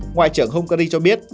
ngoại trưởng hungary cho biết